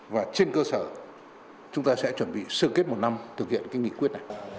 và trên cơ sở chúng ta sẽ chuẩn bị sơ kết một năm thực hiện nghị quyết này